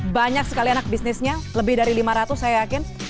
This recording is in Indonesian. banyak sekali anak bisnisnya lebih dari lima ratus saya yakin